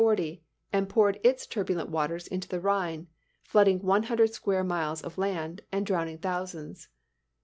] overflowed in 1840 and poured its turbulent waters into the Rhine, flooding one hundred square miles of land, and drowning thousands.